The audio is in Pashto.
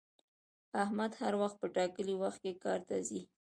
احمد هر وخت په ټاکلي وخت کار ته ځي